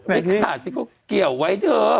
ไม่ขาดสิเขาเกี่ยวไว้เถอะ